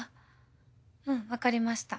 うんわかりました。